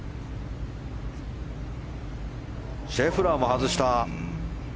シェフラーも外した！